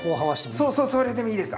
そうそうそれでもいいです。